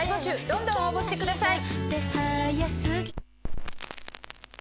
どんどん応募してください！